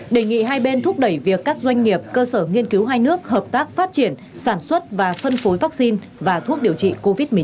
đề nghị hai bên thúc đẩy việc các doanh nghiệp cơ sở nghiên cứu hai nước hợp tác phát triển sản xuất và phân phối vaccine và thuốc điều trị covid một mươi chín